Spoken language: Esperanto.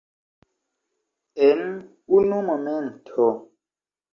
En unu momento.